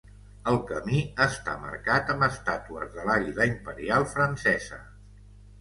El camí està marcat amb estàtues de l'Àguila Imperial francesa.